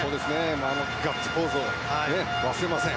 あのガッツポーズを忘れません。